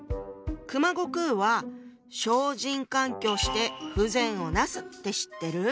熊悟空は「小人閑居して不善をなす」って知ってる？